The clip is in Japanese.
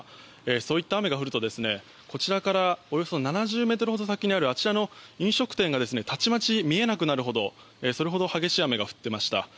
そういった雨が降るとこちらからおよそ７０ｍほど先にある飲食店がたちまち見えなくなるほどそれほど激しい雨が降っていました。